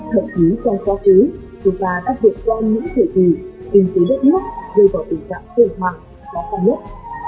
thậm chí trong quá khứ chúng ta đã vượt qua những thời kỳ kinh tế đất nước rơi vào tình trạng khủng hoảng khó khăn nhất